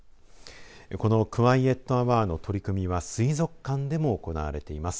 このクワイエットアワーの取り組みは水族館でも行われています。